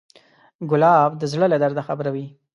ګلاب د زړه له درده خبروي.